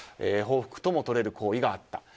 報復ともとれる行為があった。